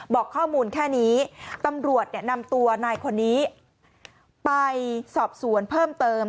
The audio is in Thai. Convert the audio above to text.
บอกข้อมูลแค่นี้ตำรวจนำตัวนายคนนี้ไปสอบสวนเพิ่มเติม